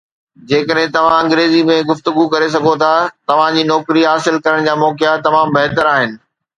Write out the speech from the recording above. جيڪڏهن توهان انگريزي ۾ گفتگو ڪري سگهو ٿا، توهان جي نوڪري حاصل ڪرڻ جا موقعا تمام بهتر آهن